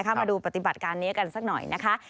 มาดูปฏิบัติการนี้กันสักหน่อยนะคะ